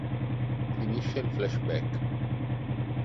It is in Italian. Finisce il flashback.